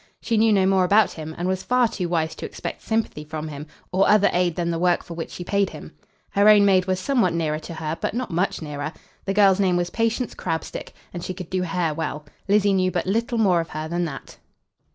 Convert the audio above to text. She knew no more about him, and was far too wise to expect sympathy from him, or other aid than the work for which she paid him. Her own maid was somewhat nearer to her; but not much nearer. The girl's name was Patience Crabstick, and she could do hair well. Lizzie knew but little more of her than that.